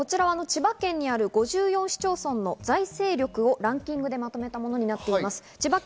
千葉県にある５４市町村の財政力をランキングでまとめたものになっています。